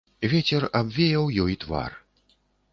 Вецер абвеяў ёй твар.